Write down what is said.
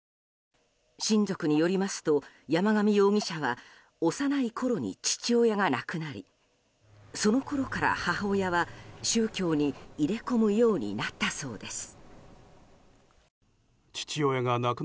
親族によりますと山上容疑者は幼いころに父親が亡くなりそのころから母親は宗教に入れ込むようになったそうです。